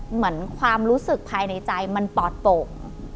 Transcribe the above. เหมือนความรู้สึกภายในใจมันปลอดโป่ง